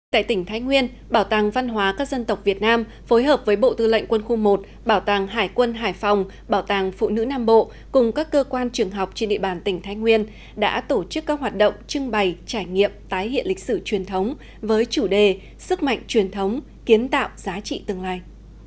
tại tỉnh thái nguyên bảo tàng văn hóa các dân tộc việt nam phối hợp với bộ tư lệnh quân khu một bảo tàng hải quân hải phòng bảo tàng phụ nữ nam bộ cùng các cơ quan trường học trên địa bàn tỉnh thái nguyên đã tổ chức các hoạt động trưng bày trải nghiệm tái hiện lịch sử truyền thống với chủ đề sức mạnh truyền thống kiến tạo giá trị tương lai